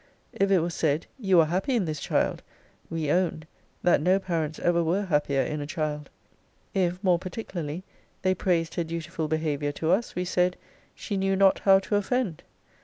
If it was said, you are happy in this child! we owned, that no parents ever were happier in a child. If, more particularly, they praised her dutiful behaviour to us, we said, she knew not how to offend.